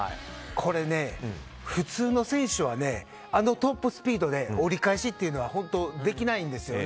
これね、普通の選手はあのトップスピードで折り返しというのはできないんですよね。